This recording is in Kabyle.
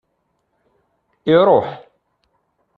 Iruḥ.